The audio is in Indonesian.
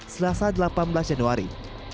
selasa delapan belas januari